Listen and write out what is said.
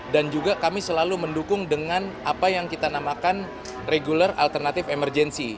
dan juga kami selalu mendukung dengan apa yang kita namakan regular alternative emergency